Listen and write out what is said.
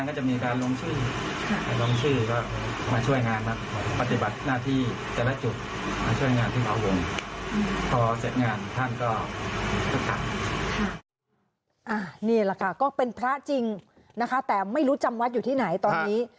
นี่แหละค่ะก็เป็นพระจริงนะคะแต่ไม่รู้จำวัดอยู่ที่ไหนตอนนี้